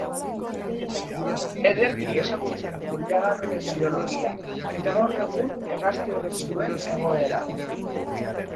Ederki ezagutzen du oilagorraren biologia, eta gaur egun hegazti horrek duen egoera.